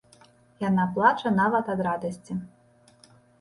Яна плача нават ад радасці.